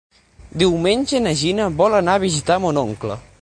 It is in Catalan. Diumenge na Gina vol anar a visitar mon oncle.